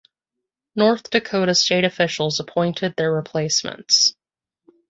North Dakota state officials appointed their replacements.